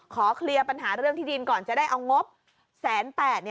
เคลียร์ปัญหาเรื่องที่ดินก่อนจะได้เอางบ๑๘๐๐บาท